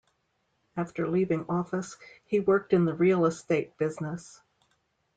After leaving office, he worked in the real estate business.